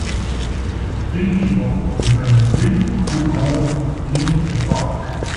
Three people preparing a grill to cook on in a park.